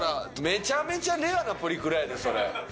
めちゃめちゃレアなプリクラやでそれ。